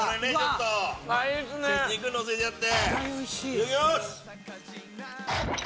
いただきます！